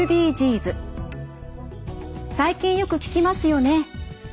最近よく聞きますよね？